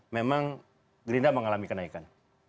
memang gerindra mengalami kenaikan